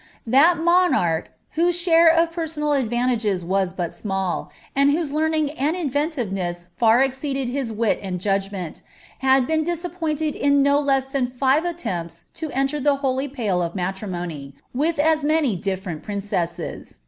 That monarch, whose share of personal advantages was but small, and whose learning and imaffinativeness far exceeded his wit and judg ncnt, had been disappointed in no less than &ye attempts to enter the holy pale of matrimony, with as many different princesses.